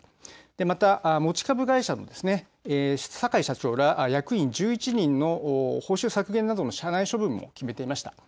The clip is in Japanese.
また持ち株会社、坂井社長ら役員１１人の報酬削減などの社内処分も決めていました。